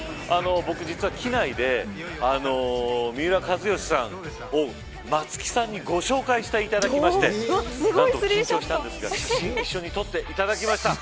実は、機内で三浦知良さんを松木さんにご紹介していただきまして一緒に撮っていただきました。